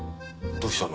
どうしたの？